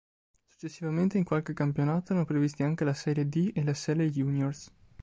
Successivamente in qualche campionato erano previsti anche la serie D e la serie Juniores.